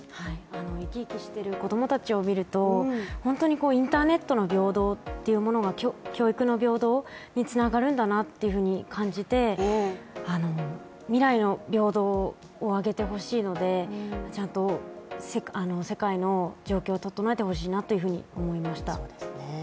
生き生きしている子供たちを見ると本当にインターネットの平等というものが教育の平等につながるんだなっていうふうに感じて、未来の平等をあげてほしいのでちゃんと世界の状況を整えてほしいなというふうに思いました。